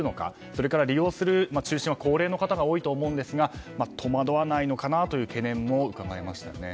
それから、利用する方は高齢の方が多いと思うんですが戸惑わないのかなという懸念もうかがえましたよね。